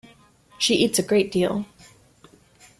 She eats a great deal.